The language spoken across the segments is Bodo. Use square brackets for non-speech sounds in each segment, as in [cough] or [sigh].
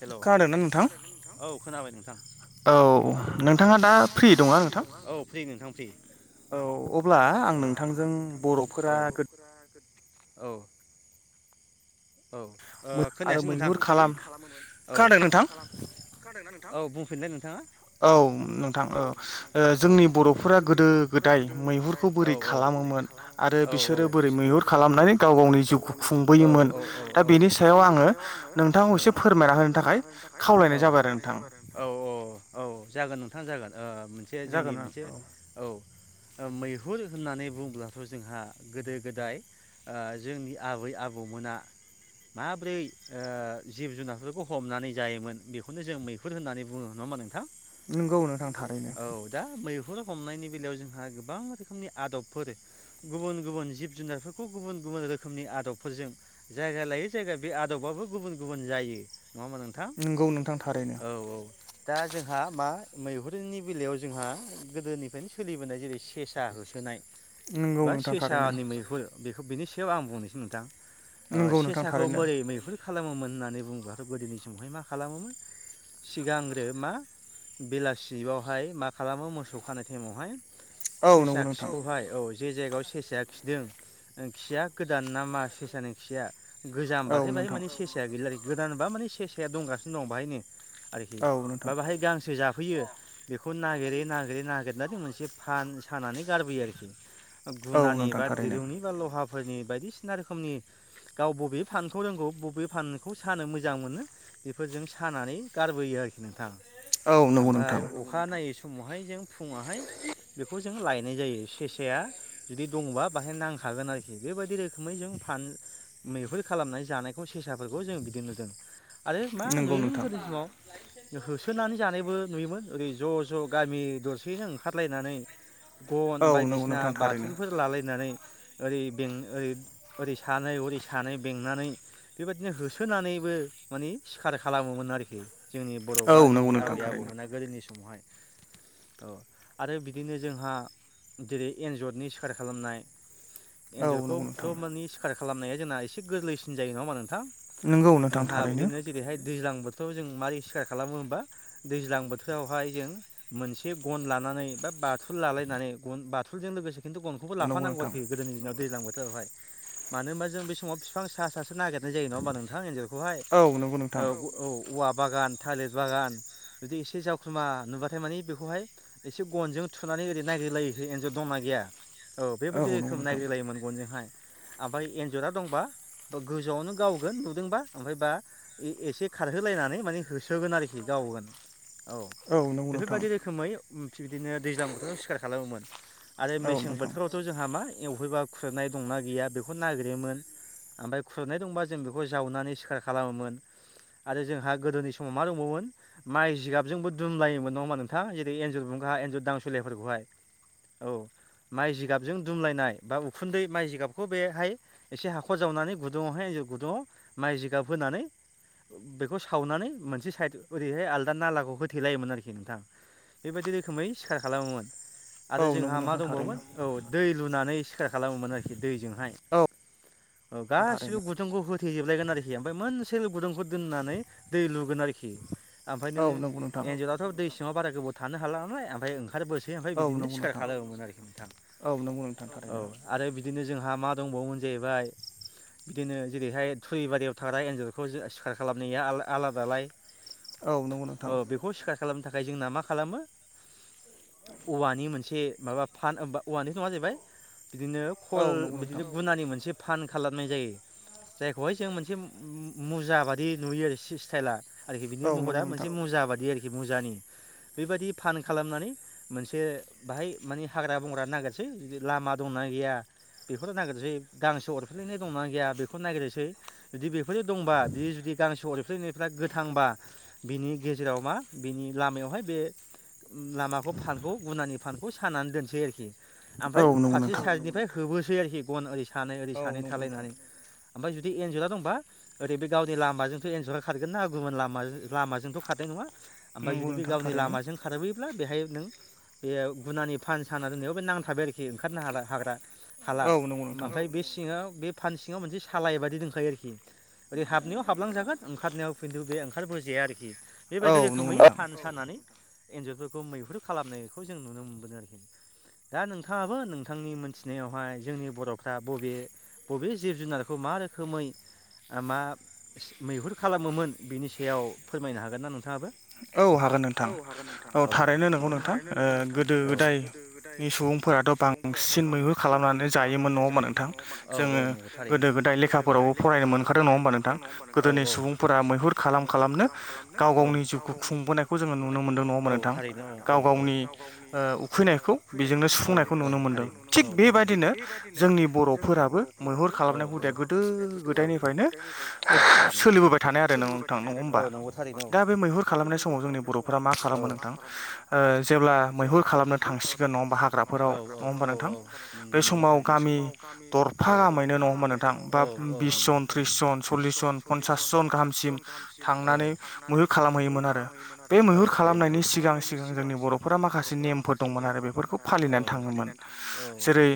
हेलौ औ खोनाबाय नोंथां। औ नोंथाङा दा फ्रि दंना नोंथां? औ अब्ला आं नोंथांजों बर'फोरा औ औ ओ खोनायासै नोंथां। औ औ बुंफिनदो नोंथाङा। औ नोंथां औ जोंनि बर'फोरा गोदो गोदाय मैहुरखौ बोरै खालाम खमोमोन आरो बिसोरो बोरै मैहुर खालामनानै गाव गावनि जिउखौ खुंबोयोमोन औ औ औ औ औ औ जागोन नोंथां जागोन ओ मोनसे जोंनि मोनसे औ। मैहुर होननानै बुङोब्लाथ' जोंहा गोदो गोदाय ओ जोंनि आबै आबौमोना माब्रै ओ जिब जुनारफोरखौ हमनानै जायोमोन बेखौनो जों मैहुर होननानै बुङो। नङा होनबा नोंथां औ दा मै हुर हमनायनि बेलायाव जोंहा गोबां रोखोमनि आदबफोर गुबुन गुबुन जिब जुनारफोरखौ गुबुन गुबुन गुबुन रोखोमनि आदबफोरजों जायगा लायै जायगा बे आदबाबो गुबुन गुबुन जायो। नङा होनबा नोंथां औ औ। दा जोंहा मा मैहुरनि बेलायाव जोंहा गोदोनिफ्रायनो सोलिबोनाय जेरै सेसा होसोनाय बा सेसानि मैहुर बेखौ बेनि सायाव आं बुंनोसै नोंथां। ओ सेसाखौ बोरै मैहुर खालामोमोन होननानै बुंब्लाथ' गोदोनि समावहाय मा खालामोमोन सिगांग्रो मा बेलासिावहाय मा खालामो मोसौ खानाय टाइमावहाय सेसा खिखौहाय औ जे जायगायाव सेसाया खिदों खिया गोदान ना मा सेसानो खिया गोजामबाथाय बाहाय माने सेसेसाया गैला गोदानबा माने सेसाया दंगासिनो दं बेाहायनो। आरोखि बा बाहाय गांसो जाफैयो बेखौ नागिरै -नागिरै -नागिरै बिराद मोनसे फान सानानै गारबोयो आरोखि गुनानि बा दिरौनि बा लहा फोरनि बायदिसिना रोखोमनि गाव बबे फानखौ रोंगौ बबे फानखौ सानो मोजां मोनो बेफोरजों सानानै गार होबोयो आरोखि नोंथां ओमफाय अखानायै समावहाय जों फुङावहाय बेखौ जों लायनाय जायो सेसाया जुदि दङबा बाहाय नां खा गोन आरोखि बेबायदि रोखोमै जों फान मैहुर खालामनाय जानायखौ सेसाफोरखौ जों बिदि नुदों। आरो मा नुयोमोन गोदोनि समाव होसोनानै जानायबो नुयोमोन ओरै ज' ज' गामि दरसेयैनो ओंखारलायनानै गन बायदिसिना बाथुलफोर लालायनानै ओरै बें ओरै ओरै सानै हरै सानै बेंनानै बेबायदिनो होसोनानैबो माने सिखार खालामोमोन आरोखि। जोंनि बर' बा जोंनि आबै आबौमोना गोदोनि समावहाय। ओ आरो बिदिनो जोंहा जेरै एन्जरनि सिखार खालामनाय एन्जरखौथ' माने सिखार खालामनाया जोंना एसे गोरलैसिन जायो नङा होनबा नोंथां? जोंहा बिदिनो जेरैहाय दैज्लां बोथोराव जों मारै सिखार खालामो होमबा दैज्लां बोथोरावहाय जों मोनसे गन लानानै बाथुल लालायनानै ओ बाथुलजों लोगोसे खिन्थु गनखौबो लाफानांगौ आरोखि गोदोनि दिनाव दैज्लां बोथोरावहाय। मानो होनबा जों बे समाव बिफां सो नागिरनाय जायो नङा होमबा नोंथां एन्जरखौ। खौहाय औ औ औवा बागान थालिर बागान जुदि एसे जावखुमा नुबाथाय मानि बेखौहाय एसे गनजों थुनानै ओरै नागिरलायो एन्जर दंना गैया। औ बेबायदि रोखोम नायग्रलायोमोन गनजोंहाय। ओमफ्राय एन्जरा दंबा गोजौआवनो गावगोन नुदोंबा ओमफ्राय बा एसे खारहोलायनानै माने होसोगोन आरोखि गाव गावगोन औ बेफोरबायदि रोखोमै बिदिनो दैज्लां बोथोराव सिखार खालामोमोन। आरो मेसें बोथोरावथ' जोंहा मा एवहैबा खुरसनाय दंना गैया बेखौ बेखौ नागिरयोमोन ओमफ्राय खुुरनाय दंबा जों बेखौ जावनानै सिखार खालामोमोन। आरो जोंहा गोदोनि समाव मा दंबावोमोन माइ जिगाबजोंबो दुमलायोमोन नङा होनबा नोंथा जेरै एन्जर बुं गा एन्जर दांसलियाफोरखौहाय। औ माइ जिगाबजों दुमलायनाय बा उखुन्दै माइ जिगाबखौ बेहाय एसे हाखर जावनानै गुदुङावहाय एन्जर गुदुङाव माइ जिगाब होनानै बेखौ सावनानै मोनसे साइद ओरैहाय आलदा नालाखौ होथेलायोमोन आरोखि नोंथां। बेबायदि रोखोमै सिखार खालामोमोन। आरो जोंहा मा दंबावोमोन औ दै लुनानै सिखार खालामोमोन आरोखि दै। औ गासिबो गुदुंखौ होथेजोबलायगोन आरोखि ओमफ्राय मोनसेल गुदुंखौ दोननानै दै लुगोन आरोखि ओमफ्राय नोङो एनजरावथ दै सिंङाव बारा गोबाव थानो हाला नालाय ओमफ्राय ओंखारबोसै ओमफ्राय बिदिनो सिखार खालामोमोन आरोखि नोंथां औ आरो बिदिनो जोंहा मा दंबावोमोन जाहैबाय बिदिनो जेरैहाय थुरिबारियाव थाग्रा एन्जरखौ सिखार खालामनाया आलादालाय औ नंगौ नोंथां खालामनो थाखाय जोंना मा खालामो औवानि मोनसे माबा फान होमबा औवानि नंङा जाहैबाय बिदिनो खल बिदिनो गुनानि मोनसे फान खालामनाय जायो जायखौहाय जों मोनसे मुजा बादि नुयो आरो स्टाइला आरोखि बिनि महरा मोनसे मुजा बादि आरोखि मुजानि बेबायदि फान खालामनानै मोनसे बाहाय माने हाग्रा बंग्रा नागिरसै है लामा दंना गैया बेखौनो नागिरनोसै गांसो अरफ्लेनाय दंना गैया बेखौनो नागिरनोसै जुदि बे बेफोर दंबा बियो जुदि गांसो स्लैनायफ्रा गोथांबा बिनि गेजेराव मा बिनि लामायावहाय बे लामाखौ फानखौ गुनानि फानखौ सानानै दोनसै आरोखि ओमफ्राय फारसे साइडनिफ्राय होबोसै आरोखि गन ओरै सानै ओरै सानै थालायनानै ओमफ्राय जुदि एन्जरा दंबा ओरै बे गावनि लामाजोंथ एन्जरा खारगोन ना गुबुन लामाजों लामाजोंथ खारनाय नङा ओमफ्राय जुदि बे गावनि लामाजों खारो बेहाय नों बे गुनानि फान साना दोननायाव बे नांथाबाय आरोखि ओंखारनो हाला हाग्रा हाला ओमफ्राय बे सिंङाव बे फान सिङाव मोनसे सालाय बादि दंखायो आरोखि ओरै हाबनायाव हाबलांजागोन ओंखारनायाव खिन्थु बे ओंखारबोजाया आरोखि बेबायदि रोखोमै फान सानानै एन्जरफोरखौ मैहुर खालामनायखौ जों नुनो मोनबोदों आरोखि दा नोंथाङाबो नोंथांनि मोनसे बिनायावहाय जोंनि बरफ्रा बबे बबे जिब जुनारखौ मा रोखोमै मा मैहुर खालामोमोन बिनि सायाव फोरमायनो हागोन ना नोंथांङाबो औ हागोन नोंथां औ थारैनो नंगौ नोंथां गोदो गोदायनि सुबुं फोराथ बांसिन मैहुर खालामनानै जायोमोन नङा होमबा नोंथां जोङो गोदो गोदाय लेखाफोरावबो फरायनो मोनखादों नङा नोंथां गोदोनि सुबुंफोरा मैहुर खालाम खालामनो गाव गावनि खुंबोनायखौ जोङो नुनो मोन्दों नङा होमबा नोंथां गाव गावनि उखैनायखौ बेजोंनो स सुफुंनायखौ नुनो मोनदों थिग बेबायदिनो जोंनि बरफोराबो मैहुर खालामनाय हुदाया गोदो गोदायनिफ्रायनो सोलिबोबाय थानाय आरो नोंथां नङा होमबा दा बे मैहुर खालामनाय समाव जोंनि बर'फोरा मा खालामो नोंथां जेब्ला मैहुर खालामनो थांसिगोन नङा होमबा हाग्रा फोराव नङा होमबा नोंथां बे समाव गामि दरफा गाहामैनो सल्लिस जन पनसास जन गाहामसिम थांनानै मैहुर खालामहैयोमोन आरो बे मैहुर खालामनायनि सिगां सिगां जोंनि बरफोरा माखासे नेमफोर दंमोन आरो बेफोरखौ फालिनानै थाङोमोन जेरै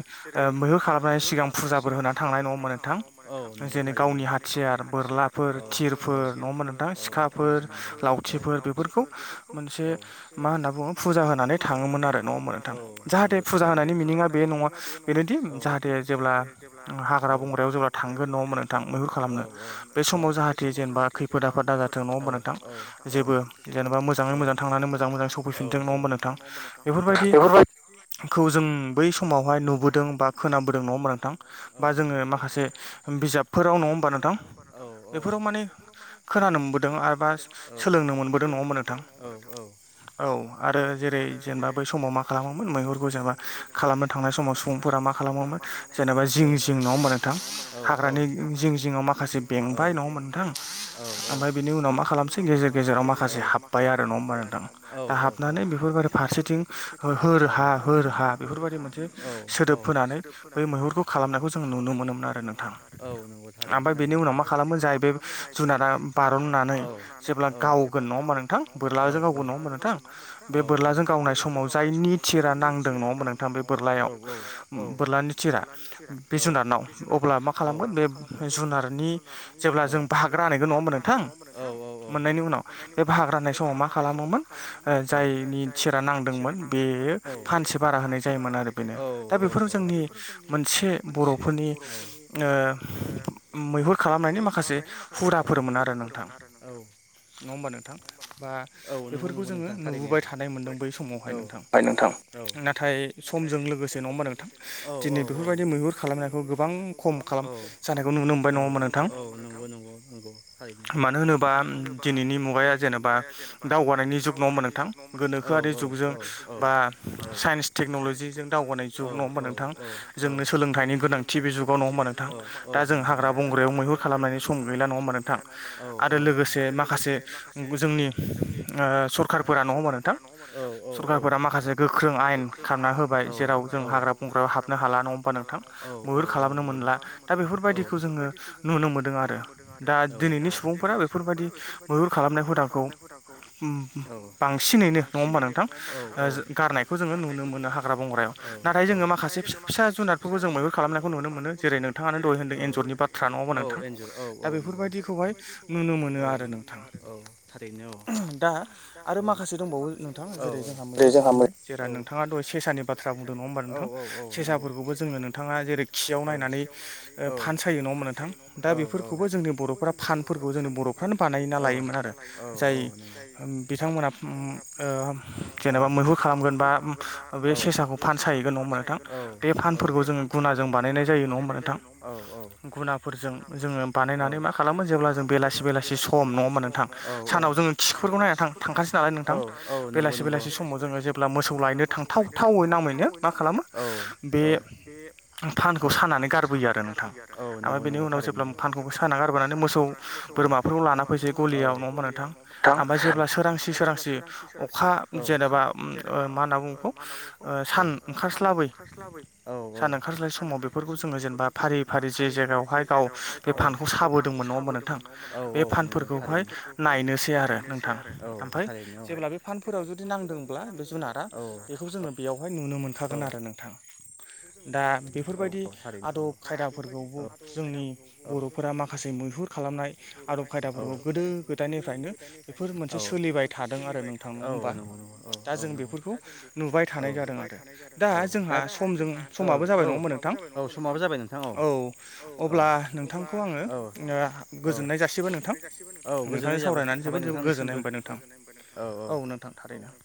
मैहुर खालामनानै सिगां फुजाफोर होनानै थांनाय नङा होमबा नोंथां जेनै गावनि हाथियार बोरलाफोर थिरफोर नंङा होमबा नोंथां सिखाफोर लावथि बेफोरखौ मोनसे मा होनना बुङो फुजा होनानै थाङोमोन आरो नङा होमबा नोंथां जाहाथे फुजा होनायनि मिनिंआ बे नङा बेनोदि जाहाथे जेब्ला हाग्रा बंग्रायाव जेब्ला थांगोन नङा होमबा नोंथां खालामनो बे समाव जाहाथे जेनेबा खैफोद आफोद दा जाथों नङा होमबा नोंथां जेबो जेनेबा मोजाङै मोजां थांनानै मोजाङै मोजां सौफैफिनथों नङा होमबा नोंथां बेफोरबायदि खौ जों बै समावहाय नुबोदों बा खोनाबोदों नङा होमबा नोंथां बा जोङो माखासे बिजाबफोर राव नंङा होमबा नोंथां बेफोराव माने खोनानो मोनबोदों आरो बा औ सोलोंनो मोनबोदों औ औ नङा होनबा नोंथां? औ आरो जेरै जेनेबा बै समाव मा खालामोमोन मैहुरखौ जेनेबा खालामनो थांनाय समाव सुबुंफोरा मा खालामोमोन जेनेबा जिं जिं नङा हबा नोंथां हाग्रानि जिं जिङाव माखासे बेंबाय नङा होमबा नोंथां? ओमफाय बेनि उनाव माखालामो सै गेजेर गेजेराव माखासे हाब्बाय आरो नङा होमबा नोंथां दा हाबनानै बेफोरबायदि फारसेथिं हो होर हा होर हा बेफोरबायदि मोनसे सोदोब होनोनानै बै मैहुरखौ खालामनायखौ जों नुनो मोनोमोन आरो नोंथां। ओमफाय बेनि उनाव मा खालामो जाय बे जुनादा बारननानै जेब्ला गावगोन नङा होमा नोंथां बोरलाजों गावगोन नङा होमबा नोंथां बे बोरलाजों गावनाय समाव जायनि थिरा नांदों नङा होमबा नोंथां? बे बोरलायाव बोरलानि थिरा बे जुनारनाव अब्ला मा खालामगोन बे बे जुनारनि औ जेब्ला जों बाहागो रानैगोन नङा होमबा नोंथां औ औ। मोननायनि उनाव बे बाहागो राननाय समाव मा खालामोमोन ओ- जायनि थिरा नांदोंमोन बे यो फानसे बारा होनाय जायोमोन आरो बेनो दा बेफोराव जोंनि मोनसे बर'फोरनि ओ- मैहुर खालामनायनि माखासे हुदाफोरमोन आरो नोंथां। नङा होमबा नोंथां? बा बेफोरखौ जोङो नुबोबाय थानाय मोनदों बै समावहाय नोंथां। थां औ। नाथाय समजों लोगोसे नङा होमबा नोंथां? दिनै बेफोरबायदि मैहुर खालामनायखौ गोबां खम खालाम औ नंगौ नंगौ थारैनो [unintelligible] दिनैनि मुगाया जेनेबा दावगानायनि जुग नङा होनबा नोंथां? गोनोखोआरि जुगजों बा अ टेक्न'ल'जिजों दावगानाय जुग नङा होमबा नोंथां? जोंनो सोलोंथाइनि गोनांथि बे जुगाव नङा होमबा नोंथां? दा जों हाग्रा बंग्रायाव मैहुर खालामनायनि सम गैला नङा होमबा नोंथां? आरो लोगोसे मा माखासे जोंनि ओ-सरखारफोरा नङा होमबा नोंथां औ औ औ सखारफोरा माखा आयेन खालामना होबाय जेराव जों हाग्रा बंग्रायाव हाबनो हाला नङा होमबा नोंथां मैहुर खालामनो मोनला। दा बेफोरबायादिखौ जोङो नुनो मोनदों आरो दा दिनैनि सुबुंफोरा बेफोरबायदि मैहुर खालामनाय हुदाखौ बांसिनैनो नङा होमबा नोंथां? ओ-गारनायखौ जों नुनो मोनो हाग्रा बंग्रायाव। नाथाय जोङो माखासे फिसा फिसा जुनादफोरखौ जों मैहुर खालामनायखौ नुनो मोनो जेरै नोंथाङा मानो दहाय होनदों एन्जरनि बाथ्रा नङाबा नोंथां? दा बेफोरबायाददिखौहाय नुनो मोनो आरो नों औ थारैनो औ दा आरो माखासे दंबावो नोंथां जेरै जोंहा मैहुर खालामनाय। जेरा नोंथाङा दहय सेसानि बाथ्रा बुंदों नङा होमबा नोंथां? सेसाफोरखौबो जोङो नोंथाङा जेरै खियाव नायनानै ओ-फान सायो नङा मोन नोंथां दा बेफोरखौबो जोंनि बर'फ फानफोरखौ जोंनि बर'फ्रानो बानाय ना लायोमोन आरो जाय बिथांमोना ओ-जेनेबा मैहुर खालामो बा बे सेसाखौ फान साहैगोन नङा होमबा नोंथां बे फानफोरखौ जोङो गुनाजों बानायनाय जायो नङा होमबा नोंथां गुनाफोरजों जोङो बानायनानै मा खालामो जेब्ला जों बेलासि बेलासि सम। नङा होमबा नोंथां सानाव जोङो खिफोरखौ नायनानै थां-थांखानिसै नालाय नोंथां बेलासे बेलासि समाव जोङो जेब्ला मोसौ लायनो थांथावथावै नामैनो मा खालामो बे फानखौ सानानै गारबोयो आरो नोंथां ओमफाय बेनि उनाव जेब्ला फानखौ सानानै गारबोनानै मोसौ। बोरमाफोरखौ लाना फै- सै गलियाव नङा होमबा नोंथां ओमफाय जेब्ला सोरांसि सोरांसि अखा जेनेबा ओ-मा होनना बुङो बेखौ ओ-सान ओंखारस्लाबै सान ओंखारस्लाय समाव बेफोरखौ जोङो जेनेबा फारि फारि जे जायगायावहाय गाव बे फानखौ साबोदोंमोन नङा होमबा नोंथां बे फान फोरखौहाय नायनोसै आरो नोंथां ओमफ्राय जेब्ला बे फानफोराव जुदि नांदों‌। जुनारा बेखौ जोङो बेयावहाय नुनो मोनखागोन आरो नोंथां। दा बेफोरबायदि आदब खायदाफोरखौबो जोंनि बर'फोरा माखासे मैहुर खालामनाय आदब खा यदाफोरखौ गोदो गोदायनिफ्रायनो बे मोनसे सोलिबाय थादों आरो नोंथां होमबा? दा जों बेफोरखौ नुबाय थानाय जादों आरो दा जोंहा सम जों समाबो जाबाय नङा होनबा नोंथां औ अब्ला नोंथांखौ आङो ओ गोजोननाय जासिगोन नों नोंथां नोंथांजों सावरायनानै जोबोद जोबोद गोजोननाय होनबाय नोंथां औ नोंथां थारैनो